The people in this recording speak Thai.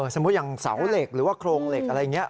สมมุติอย่างเสาเหล็กหรือว่าโครงเหล็กอะไรอย่างนี้